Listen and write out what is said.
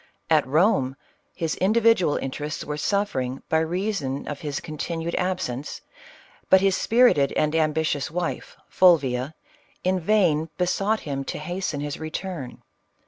At Rome, his individual interests were suffering by reason of his continued absence, but his spirited and ambitious wife, Fulvia, in vain besought him to hasten his return.